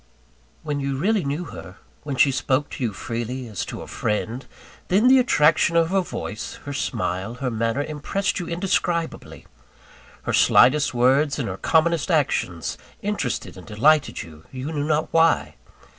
When you really knew her, when she spoke to you freely, as to a friend then, the attraction of her voice, her smile her manner, impressed you indescribably. Her slightest words and her commonest actions interested and delighted you, you knew not why.